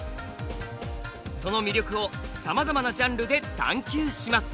その魅力をさまざまなジャンルで探究します。